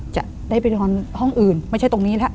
จะได้ไปนอนห้องอื่นไม่ใช่ตรงนี้แล้ว